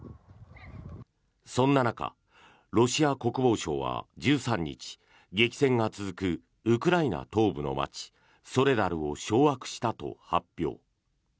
そんな中、ロシア国防省は１３日激戦が続くウクライナ東部の街ソレダルを掌握したと発表。